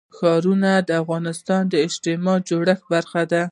ښارونه د افغانستان د اجتماعي جوړښت برخه ده.